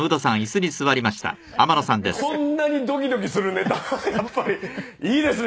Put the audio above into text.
こんなにドキドキするネタやっぱりいいですね。